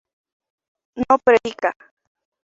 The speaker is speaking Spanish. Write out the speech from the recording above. no predica